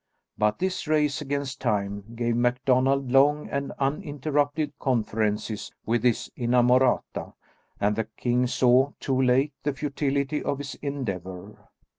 But this race against time gave MacDonald long and uninterrupted conferences with his inamorata, and the king saw, too late, the futility of his endeavour.